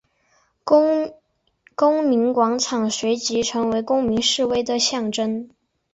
公民广场随即成为公民示威的象征。